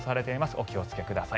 お気をつけください。